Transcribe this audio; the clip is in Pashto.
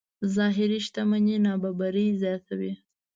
ظاهري شتمنۍ نابرابرۍ زیاتوي.